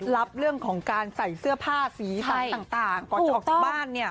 รับเรื่องของการใส่เสื้อผ้าสีสันต่างก่อนจะออกจากบ้านเนี่ย